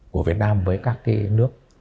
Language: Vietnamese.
của việt nam với các nước